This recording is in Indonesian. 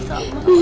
saya takut nih